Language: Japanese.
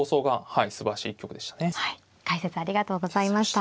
はい解説ありがとうございました。